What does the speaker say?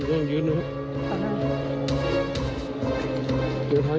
สวัสดีครับทุกคน